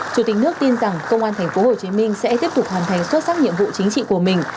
chủ tịch nước tin rằng công an thành phố hồ chí minh sẽ tiếp tục hoàn thành xuất sắc nhiệm vụ chính trị của mình